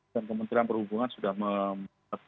dan kementerian perhubungan sudah mem